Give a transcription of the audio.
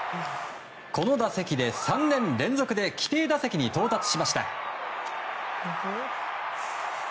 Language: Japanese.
この打席で３年連続で規定打席に到達しました。